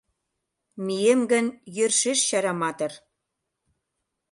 Мием гын, йӧршеш чараматыр